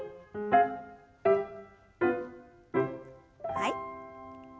はい。